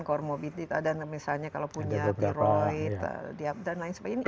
kormobitis dan misalnya kalau punya tiroid dan lain sebagainya